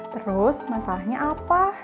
terus masalahnya apa